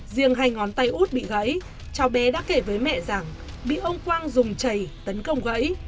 riêng hai ngón tay út bị gãy cháu bé đã kể với mẹ rằng bị ông quang dùng chảy tấn công gãy